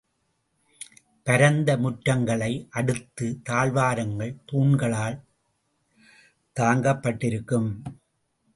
பரந்த முற்றங்களை அடுத்த தாழ்வாரங்கள் தூண்களால் தாங்கப்பட்டிருக்கும்.